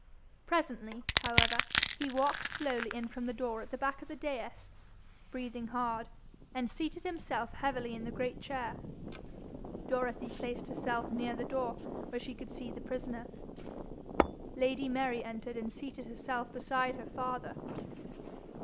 Presently, however, he walked slowly in from the door at the back of the dais, breathing hard, and seated himself heavily in the great chair. Dorothy placed herself near the door, where she could see the prisoner. Lady Mary entered and seated herself beside her father.